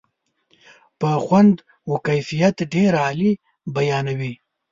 په خوند و کیفیت ډېره عالي بیانوي.